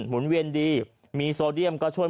หุ่นเวียนดีมีโซเดียมก็ช่วย